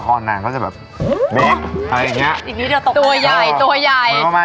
เค้งกว่าไง